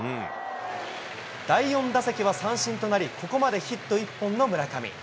第４打席は三振となり、ここまでヒット１本の村上。